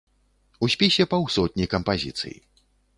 У спісе паўсотні кампазіцый.